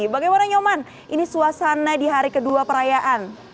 bagaimana nyoman ini suasana di hari kedua perayaan